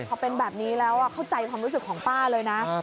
พอเป็นแบบนี้แล้วเข้าใจความรู้สึกของป้าเลยนะ